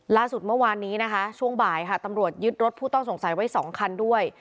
ล่าสุดเมื่อวานนี้นะคะช่วงบ่ายค่ะตำรวจยึดรถผู้ต้องสงสัยไว้๒คันด้วย